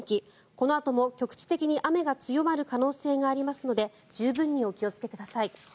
このあとも局地的に雨が強まる可能性がありますので十分にお気をつけください。